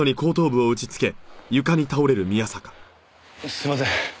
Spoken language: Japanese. すいません。